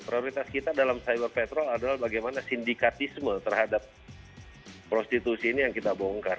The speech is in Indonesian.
prioritas kita dalam cyber patrol adalah bagaimana sindikatisme terhadap prostitusi ini yang kita bongkar